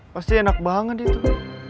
pasti enak banget dia tuh